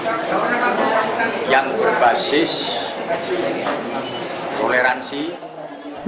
dan mengembangkan kekuasaan mereka untuk mengembangkan kekuasaan mereka